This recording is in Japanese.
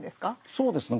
そうですね